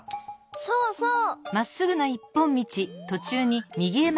そうそう！